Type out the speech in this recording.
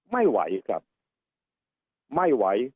ไม่ไหวครับไม่ไหว